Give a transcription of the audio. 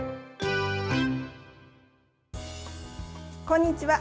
こんにちは。